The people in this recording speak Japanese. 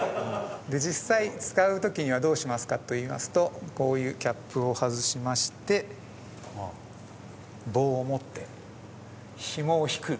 実際使う時にはどうしますかといいますとこういうキャップを外しまして棒を持ってひもを引く。